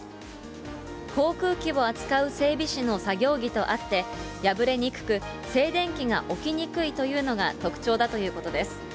航空機を扱う整備士の作業着とあって、破れにくく静電気が起きにくいというのが特徴だということです。